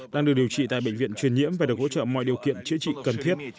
đang được điều trị tại bệnh viện truyền nhiễm và được hỗ trợ mọi điều kiện chữa trị cần thiết